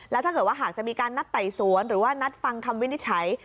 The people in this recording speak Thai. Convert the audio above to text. แล้วถ้าเกิดว่าหากจะมีการนัดไต่สวนหรือว่านัดฟังคำวินิจฉัย